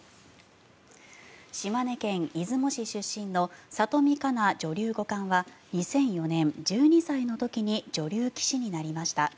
島根県出雲市出身の里見香奈女流五冠は２００４年、１２歳の時に女流棋士になりました。